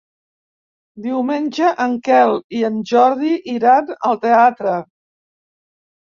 Diumenge en Quel i en Jordi iran al teatre.